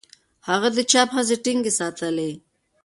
هغه د چاپ هڅې ټینګې ساتلې.